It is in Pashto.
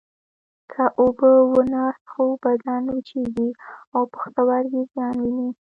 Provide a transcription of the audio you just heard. که اوبه ونه څښو بدن وچېږي او پښتورګي زیان ویني